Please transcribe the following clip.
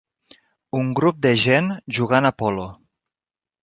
Un grup de gent jugant a polo.